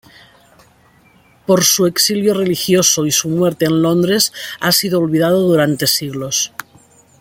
Por su exilio religioso y su muerte en Londres ha sido olvidado durante siglos.